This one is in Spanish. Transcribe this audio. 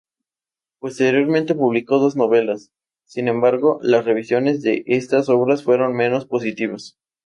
Posteriormente publicó dos novelas, sin embargo, las revisiones de estas obras fueron menos positivas.